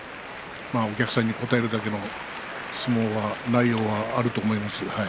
お客さんに応えるだけの相撲が内容があると思います。